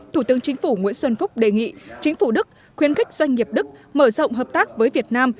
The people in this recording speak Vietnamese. thủ tướng chính phủ nguyễn xuân phúc đề nghị chính phủ đức khuyến khích doanh nghiệp đức mở rộng hợp tác với việt nam